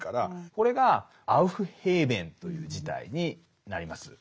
これがアウフヘーベンという事態になります。